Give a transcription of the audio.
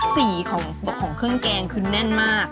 สีของเครื่องแกงคือแน่นมาก